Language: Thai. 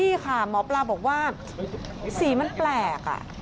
นี่ค่ะหมอปลาบอกว่าสีมันแปลก